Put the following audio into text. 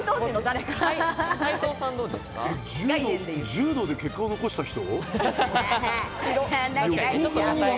柔道で結果を残した人？